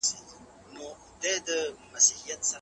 ستونزي د ژوند د زده کړې ځای دی.